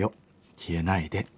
消えないで」。